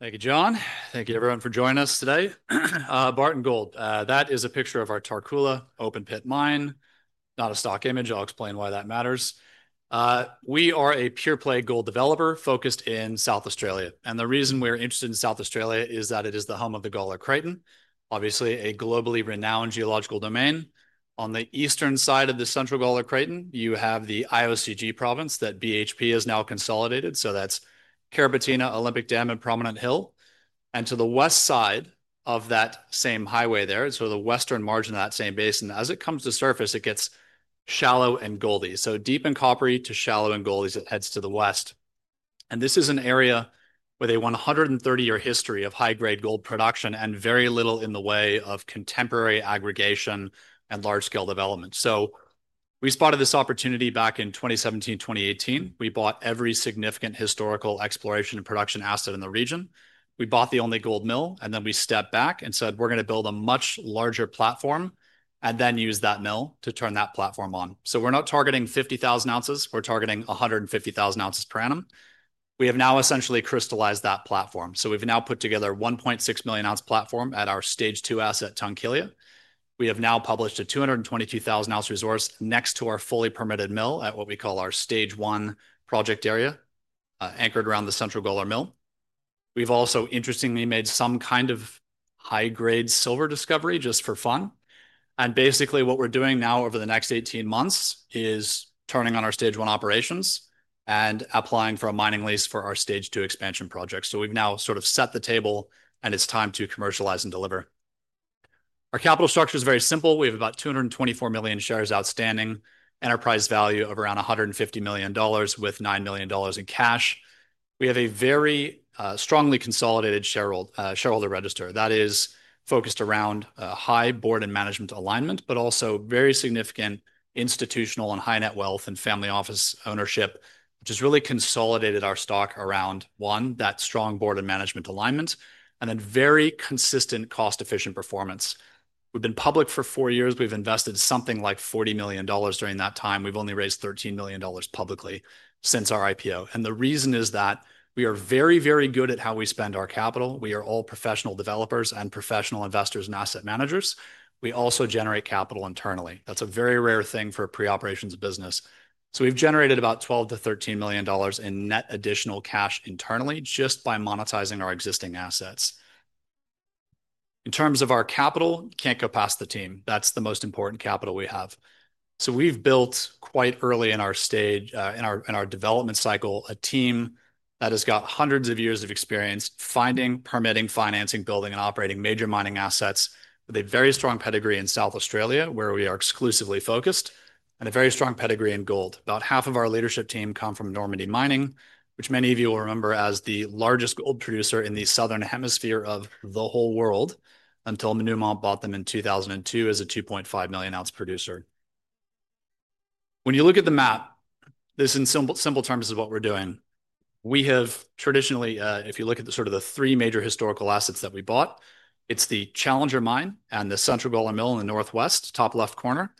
Thank you, John. Thank you, everyone, for joining us today. Barton Gold, that is a picture of our Tarcoola open pit mine, not a stock image. I'll explain why that matters. We are a pure-play gold developer focused in South Australia. The reason we're interested in South Australia is that it is the home of the Gawler Craton, obviously a globally renowned geological domain. On the eastern side of the central Gawler Craton, you have the IOCG province that BHP has now consolidated. That's Carrapateena, Olympic Dam, and Prominent Hill. To the west side of that same highway there, the western margin of that same basin, as it comes to surface, it gets shallow and goldy. Deep and coppery to shallow and goldy as it heads to the west. This is an area with a 130-year history of high-grade gold production and very little in the way of contemporary aggregation and large-scale development. We spotted this opportunity back in 2017, 2018. We bought every significant historical exploration and production asset in the region. We bought the only gold mill, and then we stepped back and said, we're going to build a much larger platform and then use that mill to turn that platform on. We're not targeting 50,000 oz. We're targeting 150,000 oz per annum. We have now essentially crystallized that platform. We've now put together a 1.6 million oz platform at our stage two asset, Tunkillia. We have now published a 222,000 oz resource next to our fully permitted mill at what we call our stage one project area, anchored around the Central Gawler Mill. We've also interestingly made some kind of high-grade silver discovery just for fun. Basically, what we're doing now over the next 18 months is turning on our stage one operations and applying for a mining lease for our stage two expansion project. We've now sort of set the table and it's time to commercialize and deliver. Our capital structure is very simple. We have about 224 million shares outstanding, enterprise value of around $150 million with $9 million in cash. We have a very strongly consolidated shareholder register that is focused around high board and management alignment, but also very significant institutional and high net wealth and family office ownership, which has really consolidated our stock around one, that strong board and management alignment, and then very consistent cost-efficient performance. We've been public for four years. We've invested something like $40 million during that time. We've only raised $13 million publicly since our IPO. The reason is that we are very, very good at how we spend our capital. We are all professional developers and professional investors and asset managers. We also generate capital internally. That's a very rare thing for a pre-operations business. We've generated about $12 million-$13 million in net additional cash internally just by monetizing our existing assets. In terms of our capital, can't go past the team. That's the most important capital we have. We've built quite early in our stage, in our development cycle, a team that has got hundreds of years of experience finding, permitting, financing, building, and operating major mining assets with a very strong pedigree in South Australia, where we are exclusively focused, and a very strong pedigree in gold. About half of our leadership team come from Normandy Mining, which many of you will remember as the largest gold producer in the Southern Hemisphere of the whole world until Newmont bought them in 2002 as a 2.5 million oz producer. When you look at the map, this in simple terms is what we're doing. We have traditionally, if you look at the sort of the three major historical assets that we bought, it's the Challenger Mine and the Central Gawler Mill in the northwest, top left corner,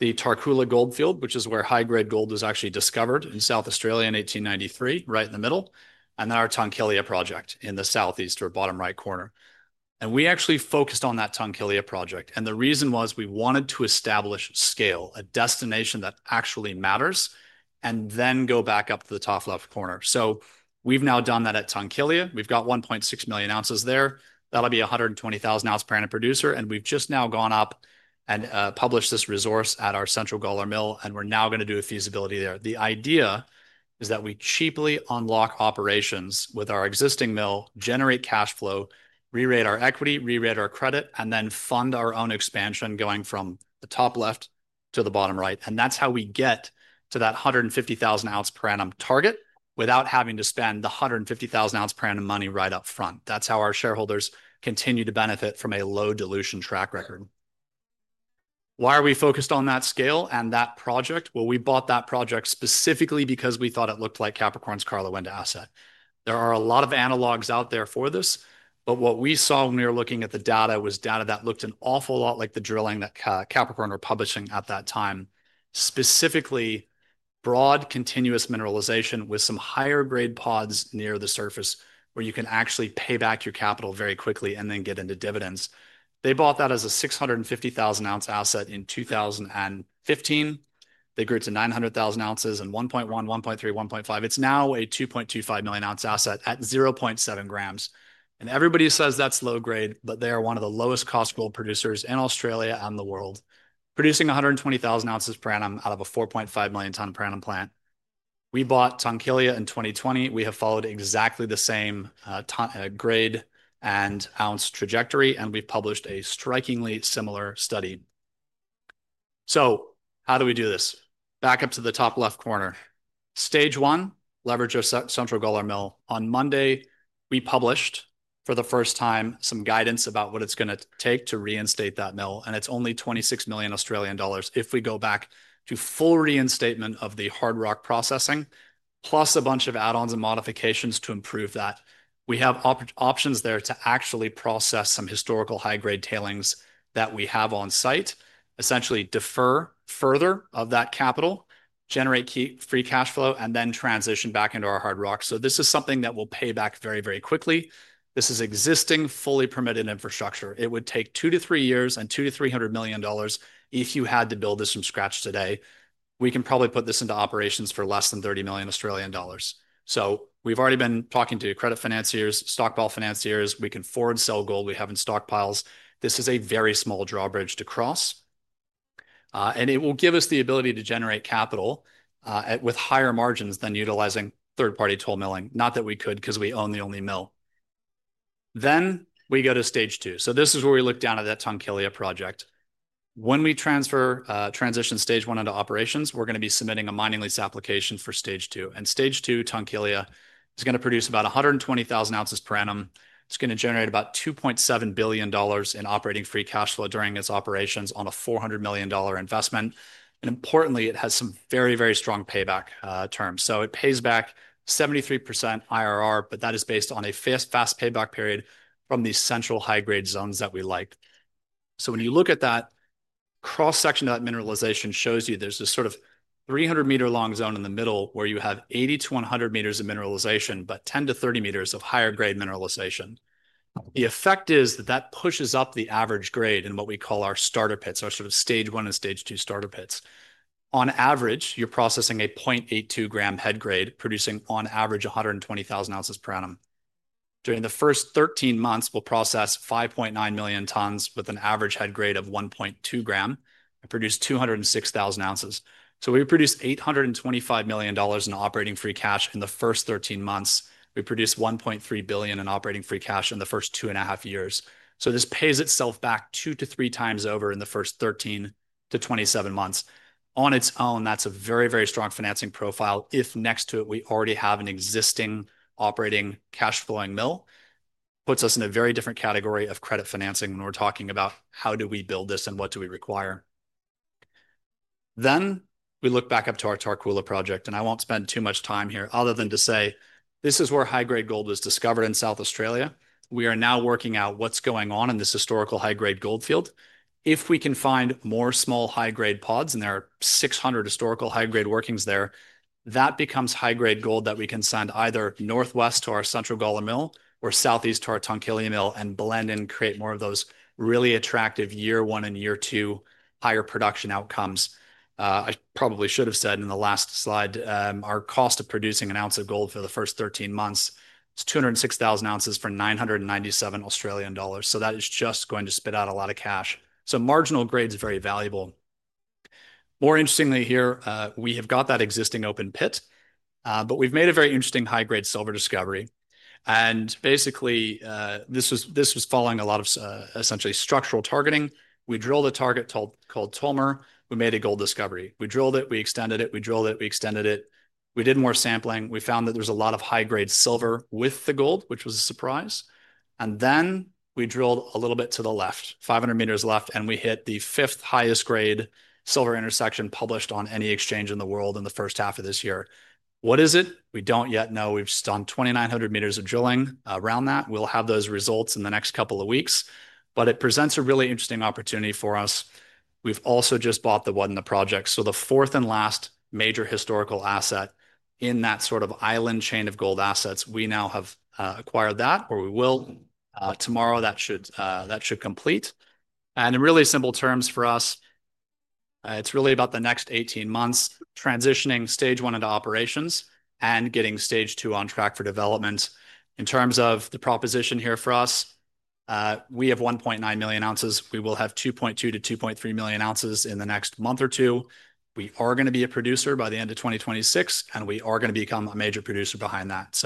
the Tarcoola Goldfield, which is where high-grade gold was actually discovered in South Australia in 1893, right in the middle, and then our Tunkillia Project in the southeast or bottom right corner. We actually focused on that Tunkillia Project. The reason was we wanted to establish scale, a destination that actually matters, and then go back up to the top left corner. We've now done that at Tunkillia. We've got 1.6 million oz there. That'll be 120,000 oz per annum producer. We've just now gone up and published this resource at our Central Gawler Mill, and we're now going to do a feasibility there. The idea is that we cheaply unlock operations with our existing mill, generate cash flow, rerate our equity, rerate our credit, and then fund our own expansion going from the top left to the bottom right. That's how we get to that 150,000 oz per annum target without having to spend the 150,000 oz per annum money right up front. That's how our shareholders continue to benefit from a low dilution track record. Why are we focused on that scale and that project? We bought that project specifically because we thought it looked like Capricorn's Karlawinda asset. There are a lot of analogs out there for this, but what we saw when we were looking at the data was data that looked an awful lot like the drilling that Capricorn were publishing at that time, specifically broad continuous mineralization with some higher grade pods near the surface where you can actually pay back your capital very quickly and then get into dividends. They bought that as a 650,000 oz asset in 2015. They grew it to 900,000 oz, 1.1, 1.3, 1.5. It's now a 2.25 million oz asset at 0.7 g. Everybody says that's low grade, but they are one of the lowest cost gold producers in Australia and the world, producing 120,000 oz per annum out of a 4.5 million ton per annum plant. We bought Tunkillia in 2020. We have followed exactly the same grade and ounce trajectory, and we published a strikingly similar study. How do we do this? Back up to the top left corner. Stage one, leverage your Central Gawler Mill. On Monday, we published for the first time some guidance about what it's going to take to reinstate that mill, and it's only 26 million Australian dollars if we go back to full reinstatement of the hard rock processing, plus a bunch of add-ons and modifications to improve that. We have options there to actually process some historical high-grade tailings that we have on site, essentially defer further of that capital, generate free cash flow, and then transition back into our hard rock. This is something that will pay back very, very quickly. This is existing fully permitted infrastructure. It would take two to three years and $200 million-$300 million if you had to build this from scratch today. We can probably put this into operations for less than 30 million Australian dollars. We have already been talking to credit financiers, stockpile financiers. We can forward sell gold we have in stockpiles. This is a very small drawbridge to cross. It will give us the ability to generate capital with higher margins than utilizing third-party toll milling. Not that we could because we own the only mill. We go to stage two. This is where we look down at that Tunkillia Project. When we transition stage one into operations, we're going to be submitting a mining lease application for stage two. Stage two, Tunkillia is going to produce about 120,000 oz per annum. It's going to generate about $2.7 billion in operating free cash flow during its operations on a $400 million investment. Importantly, it has some very, very strong payback terms. It pays back 73% IRR, but that is based on a fast payback period from the central high-grade zones that we liked. When you look at that cross-section to that mineralization, it shows you there's this sort of 300 m long zone in the middle where you have 80 m-100 m of mineralization, but 10 m-30 m of higher grade mineralization. The effect is that pushes up the average grade in what we call our starter pits, our sort of stage one and stage two starter pits. On average, you're processing a 0.82 g head grade, producing on average 120,000 oz per annum. During the first 13 months, we'll process 5.9 million tons with an average head grade of 1.2 g and produce 206,000 oz. We produce $825 million in operating free cash in the first 13 months. We produce $1.3 billion in operating free cash in the first two and a half years. This pays itself back 2x-3x over in the first 13-27 months. On its own, that's a very, very strong financing profile if next to it we already have an existing operating cash flowing mill. It puts us in a very different category of credit financing when we're talking about how do we build this and what do we require. We look back up to our Tarcoola Project, and I won't spend too much time here other than to say this is where high-grade gold was discovered in South Australia. We are now working out what's going on in this historical high-grade gold field. If we can find more small high-grade pods, and there are 600 historical high-grade workings there, that becomes high-grade gold that we can send either northwest to our Central Gawler Mill or southeast to our Tunkillia Project and blend and create more of those really attractive year one and year two higher production outcomes. I probably should have said in the last slide, our cost of producing 1 oz of gold for the first 13 months is 206,000 oz for 997 Australian dollars. That is just going to spit out a lot of cash. Marginal grade is very valuable. More interestingly here, we have got that existing open pit, but we've made a very interesting high-grade silver discovery. Basically, this was following a lot of essentially structural targeting. We drilled a target called Tolmer. We made a gold discovery. We drilled it, we extended it, we drilled it, we extended it. We did more sampling. We found that there was a lot of high-grade silver with the gold, which was a surprise. We drilled a little bit to the left, 500 m left, and we hit the fifth highest grade silver intersection published on any exchange in the world in the first half of this year. What is it? We don't yet know. We've just done 2,900 m of drilling around that. We'll have those results in the next couple of weeks, but it presents a really interesting opportunity for us. We've also just bought the Wudinna Project. The fourth and last major historical asset in that sort of island chain of gold assets, we now have acquired that, or we will. Tomorrow, that should complete. In really simple terms for us, it's really about the next 18 months transitioning stage one into operations and getting stage two on track for development. In terms of the proposition here for us, we have 1.9 million oz. We will have 2.2 million oz-2.3 million oz in the next month or two. We are going to be a producer by the end of 2026, and we are going to become a major producer behind that.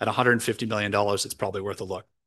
At $150 million, it's probably worth a look. Thanks.